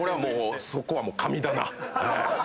そこはもう神棚。